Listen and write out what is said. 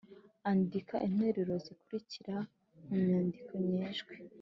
andika interuro zikurikira mu nyandiko nyejwi: